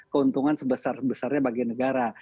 keuntungan sebesar besarnya bagi negara